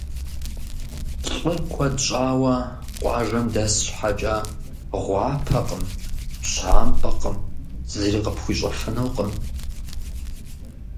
ЛӀыр куэд щӀауэ къуажэм дэс щхьэкӀэ, гъуапэкъым, пщампӀэкъым, зыри къыпхуищӀэфынукъым.